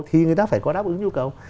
thì người ta phải có đáp ứng nhu cầu